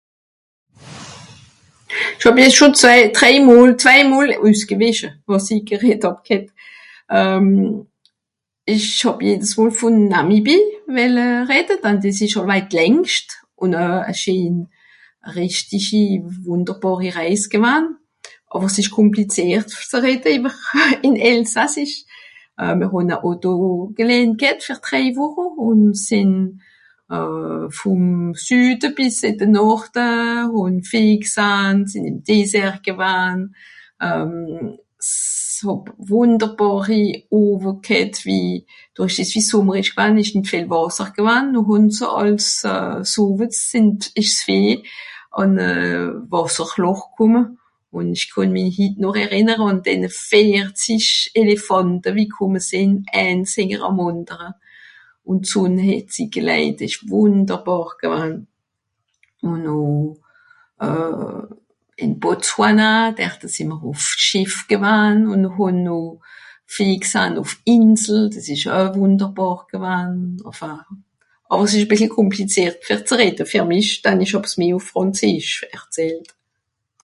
ìch hàb èich scho zwei... drèi... zwei mol (...) wàs i gereddt hàb ghet. Euh ìch hàb jedes mol vùn Namibi wìlle redde dann dìs ìsch e weit längscht ùn oe e scheen rìchtischi wùnderbàri Rèis gewann. àwer s'ìsch kùmplizìert ze redde ìwer.... ìn elsassisch. Mìr hàn e Auto gelehnt ghet fer drèi Wùche ùn sìnn euh vùm Süde bìs ì de Norde, ùn Vìeh gsahn, sìnn ìm Désert gewann, euh s'(...) wùnderbàri Owe ghet wie dùrrich dìs wie Sùmmer ìsch gewann ìsch nìt viel Wàsser gewann noh hàn se àls s'Owetz sìnn... ìsch s'Vìeh àn euh... Wàsserloch kùmme. Ùn ìch kànn mi hitt noch errìnnere àn denne vìerzisch Elefànt wie kùmme sìnn, èns ìnger'm àndere. Ùn d'Sùnn het sie gelèit, ìsch wùnderbàr gewann. Ùn noh euh ìn Botswana dert sìì mr ùff Schìff gewann ùn hàn noh Vìeh gsahn ùff Insel, dìs ìsch oe wùnderbàr gewann, enfin. Àwer s'ìsch e bìssel kùmplizìert fer ze redde fer mich dann ìch hàb's meh ùff frànzeesch erzählt.